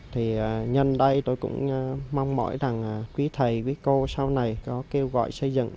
thì nhân đây tôi cũng mong mỏi rằng quý thầy quý cô sau này có kêu gọi xây dựng